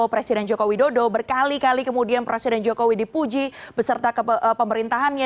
presiden joko widodo berkali kali kemudian presiden jokowi dipuji beserta pemerintahannya